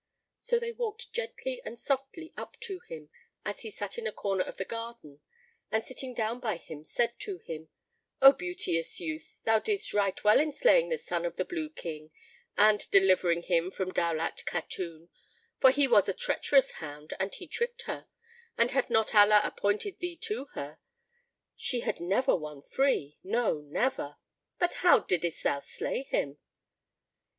So they walked gently and softly up to him, as he sat in a corner of the garden, and sitting down by him, said to him, "O beauteous youth, thou didst right well in slaying the son of the Blue King and delivering from him Daulat Khatun; for he was a treacherous hound and had tricked her, and had not Allah appointed thee to her, she had never won free; no, never! But how diddest thou slay him?"